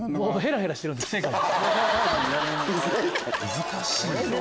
難しいよ。